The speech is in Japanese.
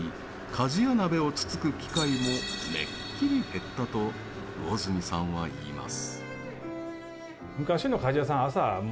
鍛冶屋鍋をつつく機会もめっきり減ったと魚住さんは言います。